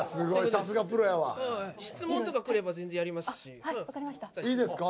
さすがプロやわ質問とかくれば全然やりますしはい分かりましたいいですか？